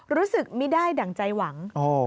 รู้สึกไม่ได้ดั่งใจหวัง